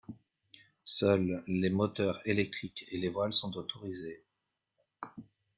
Seuls les moteurs électriques et les voiles sont autorisés.